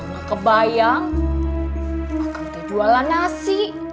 gua kebayang akang jualan nasi